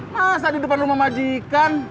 masa di depan rumah majikan